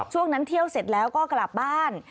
ช่วงนั้นเที่ยวเสร็จแล้วก็กลับบ้าน